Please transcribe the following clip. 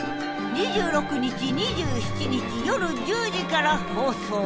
２６日２７日夜１０時から放送。